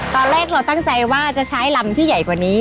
ตอนแรกเราตั้งใจว่าจะใช้ลำที่ใหญ่กว่านี้